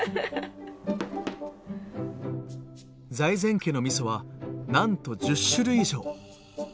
財前家のみそはなんと１０種類以上。